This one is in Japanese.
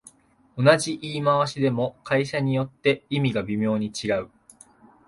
同じ言い回しでも会社によって意味が微妙に違う